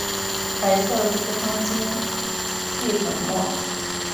白色四方晶系粉末。